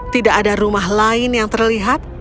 tidak ada rumah lain yang terlihat